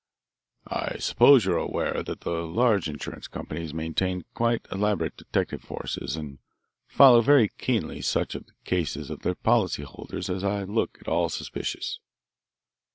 "I suppose you are aware that the large insurance companies maintain quite elaborate detective forces and follow very keenly such of the cases of their policy holders as look at all suspicious.